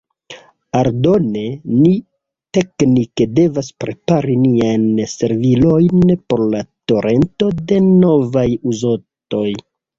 Aldone, ni teknike devas prepari niajn servilojn por la torento de novaj uzontoj.